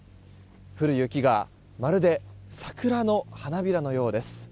降る雪がまるで桜の花びらのようです。